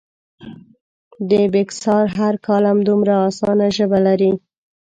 د بېکسیار هر کالم دومره اسانه ژبه لري.